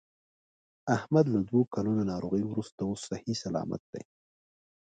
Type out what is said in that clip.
احمد له دوه کلونو ناروغۍ ورسته اوس صحیح صلامت دی.